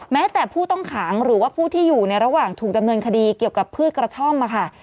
แม้แต่ผู้ต้องขังหรือว่าผู้ที่อยู่ในระหว่างถูกดำเนินคดีเกี่ยวกับพืชกระท่อมค่ะ